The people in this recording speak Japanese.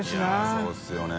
いそうですよね。